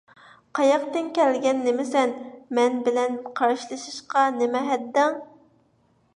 قاياقتىن كەلگەن نېمىسەن، مەن بىلەن قارشىلىشىشقا نېمە ھەددىڭ؟